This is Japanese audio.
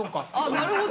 なるほど。